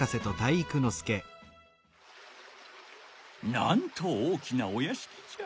なんと大きなおやしきじゃ。